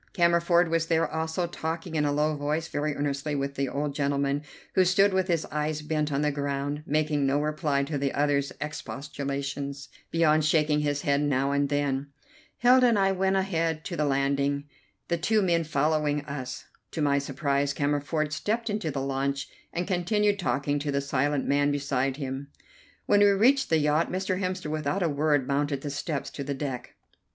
Cammerford was there also, talking in a low voice very earnestly with the old gentleman, who stood with his eyes bent on the ground, making no reply to the other's expostulations beyond shaking his head now and then. Hilda and I went on ahead to the landing, the two men following us. To my surprise Cammerford stepped into the launch and continued talking to the silent man beside him. When we reached the yacht Mr. Hemster without a word mounted the steps to the deck.